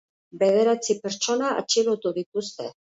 Bederatzi pertsona atxilotu dituzte.